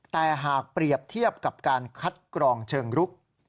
แต่หากเปรียบเทียบกับการคัดกรองเชิงรุก